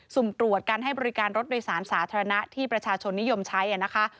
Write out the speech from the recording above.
สุ่มตรวจการให้บริการรถโดยสารสาธารณะที่ประชาชนนิยมใช้นะคะ